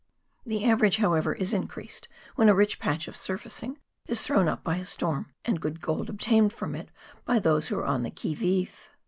The average, however, is increased when a rich patch of " sur facing " is thrown up by a storm, and good gold obtained from it by those who are on the qui vive.